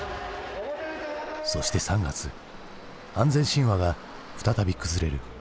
そして３月安全神話が再び崩れる。